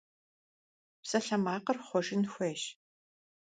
Псалъэмакъыр хъуэжын хуейщ.